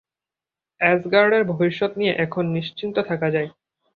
অ্যাসগার্ডের ভবিষ্যৎ নিয়ে এখন নিশ্চিন্ত থাকা যায়।